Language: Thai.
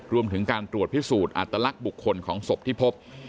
รวมถึงการตรวจพิสูจน์อัตลักษณ์บุคคลของศพที่พบ